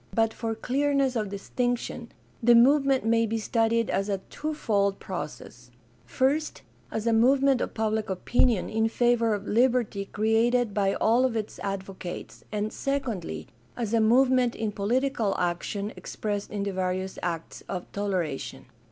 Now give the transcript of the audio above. But for clearness of distinction the movement may be studied as a twofold process: first, as a movement of public opinion in favor of liberty created by all of its advocates, and, secondly, as a movement in political action expressed in the various acts of toleration.